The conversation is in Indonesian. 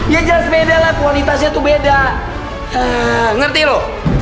ya jelas beda lah kualitasnya tuh beda ngerti lu